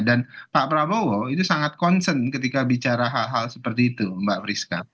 dan pak prabowo itu sangat konsen ketika bicara hal hal seperti itu mbak priska